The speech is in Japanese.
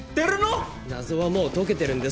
謎はもう解けてるんだ。